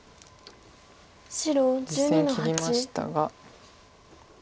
実戦切りましたが。